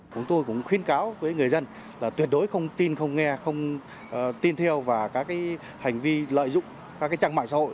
chúng tôi cũng khuyến cáo với người dân là tuyệt đối không tin không nghe không tin theo và các hành vi lợi dụng các trang mạng xã hội